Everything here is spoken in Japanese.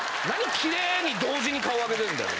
きれいに同時に顔上げてるんだよ。